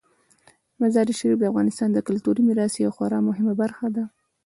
مزارشریف د افغانستان د کلتوري میراث یوه خورا مهمه برخه ده.